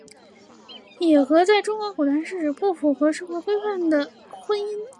野合在中国古代是指不合社会规范的婚姻。